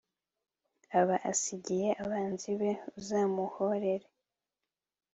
aba asigiye abanzi be uzamuhorera